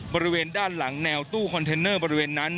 บริเวณด้านหลังแนวตู้คอนเทนเนอร์บริเวณนั้น